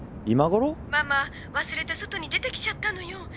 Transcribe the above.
今ごろ？ママ忘れて外に出てきちゃったのよ。